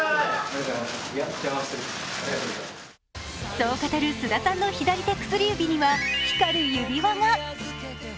そう語る菅田さんの左手薬指には、光る指輪が。